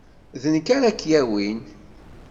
D nekk ara k-yawin.